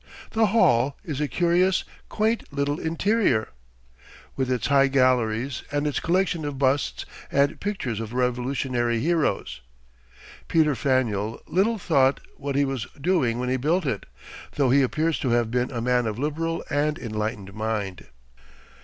The Hall is a curious, quaint little interior, with its high galleries, and its collection of busts and pictures of Revolutionary heroes. Peter Faneuil little thought what he was doing when he built it, though he appears to have been a man of liberal and enlightened mind.